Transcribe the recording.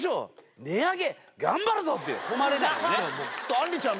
あんりちゃん。